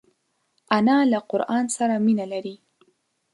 انا له قران سره مینه لري